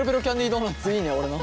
ドーナツいいね俺の。